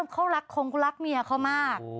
เขารักคงรักเมียเขามาก